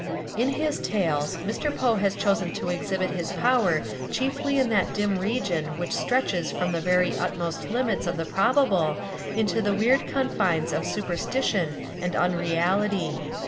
In his tales, Mr. Poe has chosen to exhibit his power chiefly in that dim region which stretches from the very utmost limits of the probable into the weird confines of superstition and unreality.